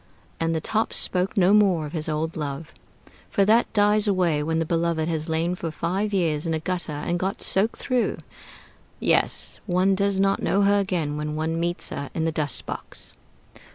And the Top spoke no more of his old love: for that dies away when the beloved has lain for five years in a gutter and got soaked through; yes, one does not know her again when one meets her in the dust box.